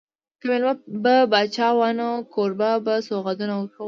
که مېلمه به پاچا و نو کوربه به سوغاتونه ورکول.